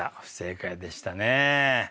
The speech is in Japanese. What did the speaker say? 不正解でしたね。